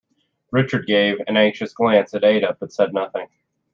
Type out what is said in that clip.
Richard gave an anxious glance at Ada but said nothing.